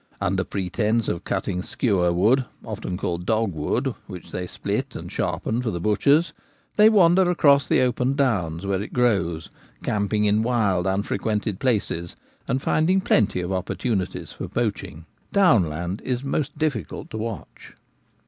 Under pretence of cutting skewer wood, often called dog wood, which they split and sharpen for the butchers they wander across the open downs where it grows, camping in wild, unfrequented places, and finding plenty of opportunities for poaching. Down land is most difficult to watch.